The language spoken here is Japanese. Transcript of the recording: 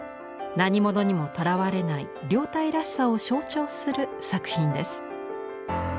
何物にもとらわれない凌岱らしさを象徴する作品です。